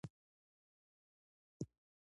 چې پښتانه مېړونه خپلې ښځې ته